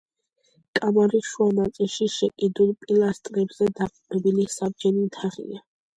კამარის შუა ნაწილში შეკიდულ პილასტრებზე დაყრდნობილი, საბჯენი თაღია.